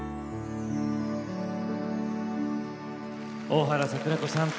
大原櫻子さん